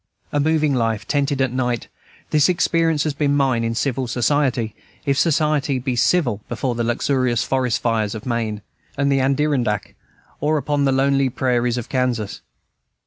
A moving life, tented at night, this experience has been mine in civil society, if society be civil before the luxurious forest fires of Maine and the Adirondack, or upon the lonely prairies of Kansas.